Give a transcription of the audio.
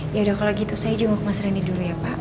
ya udah kalo gitu saya juga ke mas randy dulu ya pak